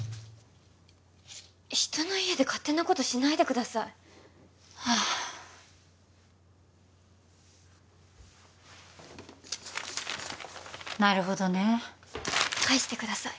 人の家で勝手なことしないでくださいはあなるほどね返してください